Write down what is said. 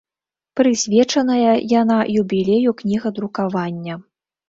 Прысвечаная яна юбілею кнігадрукавання.